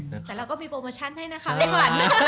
แต่เราก็มีโปรโมชั่นให้นะคะ